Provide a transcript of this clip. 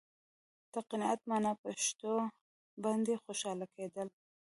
د قناعت معنا په شتو باندې خوشاله کېدل.